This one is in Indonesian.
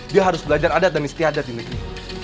dia harus belajar adat demi setiadat di negeri